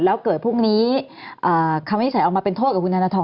แล้วเกิดพรุ่งนี้คำวินิจฉัยออกมาเป็นโทษกับคุณธนทร